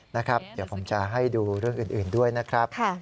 นะครับเดี๋ยวผมจะให้ดูเรื่องอื่นด้วยนะครับ